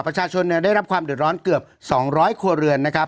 ประชาชนได้รับความเดือดร้อนเกือบ๒๐๐ครัวเรือนนะครับ